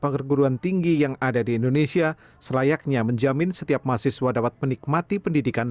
perguruan tinggi yang ada di indonesia selayaknya menjamin setiap mahasiswa dapat menikmati pendidikan